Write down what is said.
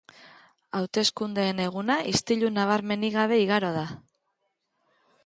Hauteskundeen eguna istilu nabarmenik gabe igaro da.